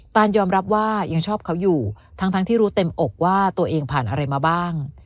ยอมรับว่ายังชอบเขาอยู่ทั้งที่รู้เต็มอกว่าตัวเองผ่านอะไรมาบ้าง